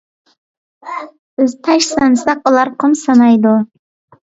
بىز تاش سانىساق، ئۇلار قۇم سانايدۇ.